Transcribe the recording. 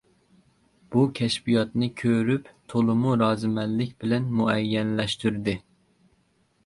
بۇ كەشپىياتنى كۆرۈپ تولىمۇ رازىمەنلىك بىلەن مۇئەييەنلەشتۈردى.